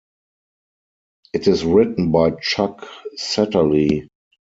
It is written by Chuck Satterlee.